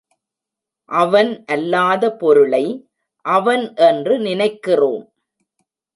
அவன் அல்லாத பொருளை அவன் என்று நினைக்கிறோம்.